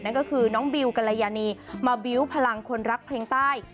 นั่นก็คือน้องบิวกัลยานีมาบิวต์พลังคนรักเพลงใต้